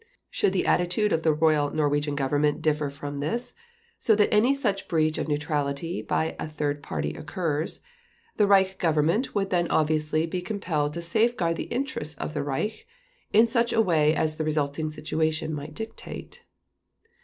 Should the attitude of the Royal Norwegian Government differ from this so that any such breach of neutrality by a third party occurs, the Reich Government would then obviously be compelled to safeguard the interests of the Reich in such a way as the resulting situation might dictate."